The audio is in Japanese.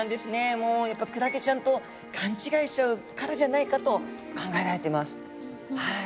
もうやっぱクラゲちゃんと勘違いしちゃうからじゃないかと考えられてます。